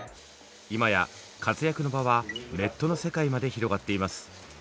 今や活躍の場はネットの世界まで広がっています。